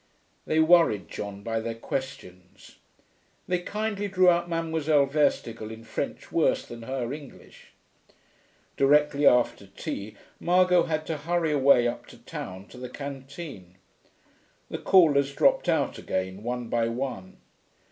They worried John by their questions. They kindly drew out Mademoiselle Verstigel, in French worse than her English. Directly after tea Margot had to hurry away up to town to the canteen. The callers dropped out again, one by one.